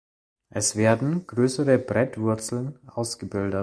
Es werden größere Brettwurzeln ausgebildet.